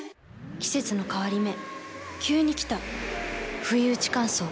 季節の変わり目急に来たふいうち乾燥。